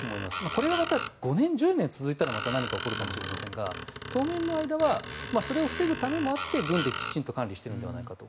これがまた５年、１０年続いたらまた何か起こるかもしれませんが当面の間はそれを防ぐためもあって軍できちんと管理しているのではないかと。